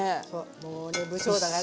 もうね不精だから。